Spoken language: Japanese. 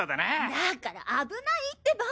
だから危ないってば！